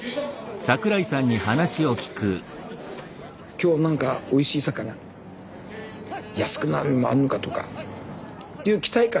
今日は何かおいしい魚安くなるものはあんのかとかっていう期待感